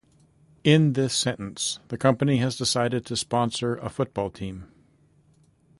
In this sentence, the company has decided to sponsor a football team.